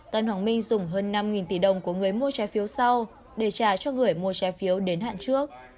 tân hoàng minh dùng hơn năm tỷ đồng của người mua trái phiếu sau để trả cho người mua trái phiếu đến hạn trước